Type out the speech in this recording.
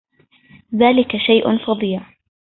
ذلك شيءٌ فظيع.